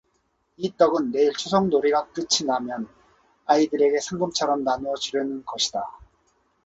이 떡은 내일 추석놀이가 끝이 나면 아이들에게 상금처럼 나누어 주려는 것이다.